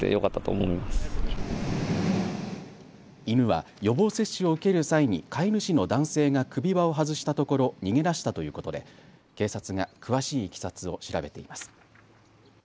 犬は予防接種を受ける際に飼い主の男性が首輪を外したところ逃げ出したということで警察が詳しいいきさつを調べています。